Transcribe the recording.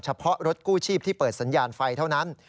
เฉพาะรถกู้ชีพที่เปิดสัญญาณไฟเท่านั้น